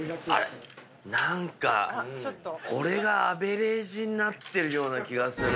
何かこれがアベレージになってるような気がする。